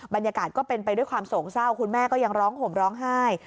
บรรยากาศก็เป็นไปด้วยความโศกเศร้าคุณแม่ก็ยังร้องห่มร้องไห้